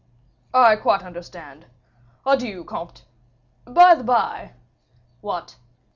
"I quite understand. Adieu! comte. By the by " "What?"